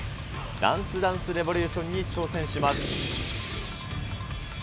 ダンスダンスレボリューションに挑戦します。